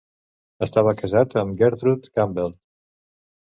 Estava casat amb Gertrude Campbell.